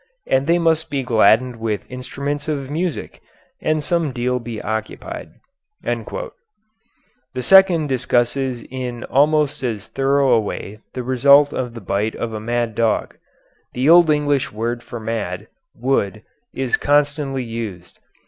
And they must be gladded with instruments of music, and some deal be occupied.' The second discusses in almost as thorough a way the result of the bite of a mad dog. The old English word for mad, wood, is constantly used.